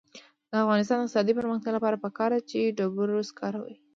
د افغانستان د اقتصادي پرمختګ لپاره پکار ده چې ډبرو سکاره وي.